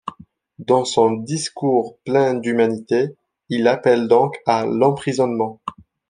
Dans son discours plein d'humanité, il appelle donc à l'emprisonnement.